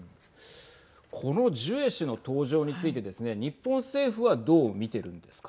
このジュエ氏の登場についてですね日本政府はどう見ているんですか。